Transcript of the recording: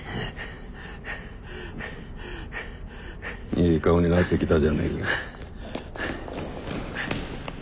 いい顔になってきたじゃねえか。